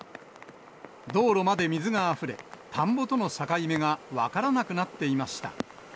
道路まで水があふれ、田んぼとの境目が分からなくなっていました。